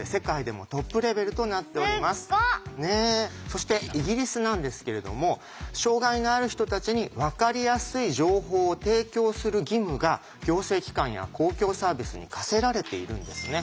そしてイギリスなんですけれども障害のある人たちにわかりやすい情報を提供する義務が行政機関や公共サービスに課せられているんですね。